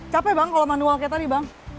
capek bang kalau manual kayak tadi bang